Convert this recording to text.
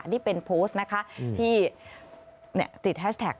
นี่เป็นโพสต์นะคะที่ติดแฮชแท็ก